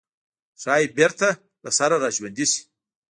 ښايي بېرته له سره راژوندي شي.